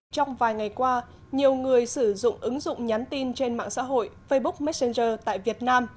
trong vài ngày qua nhiều người sử dụng ứng dụng nhắn tin trên mạng xã hội facebook messenger tại việt nam